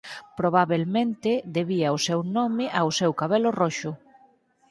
Probabelmente debía o seu nome ao seu cabelo roxo.